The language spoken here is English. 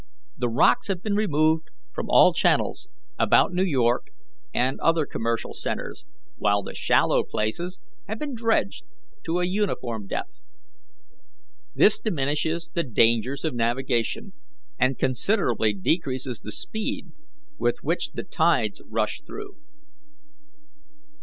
"The rocks have been removed from all channels about New York and other commercial centres, while the shallow places have been dredged to a uniform depth. This diminishes the dangers of navigation and considerably decreases the speed with which the tides rush through.